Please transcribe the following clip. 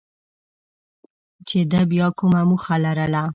چې ده بیا کومه موخه لرله.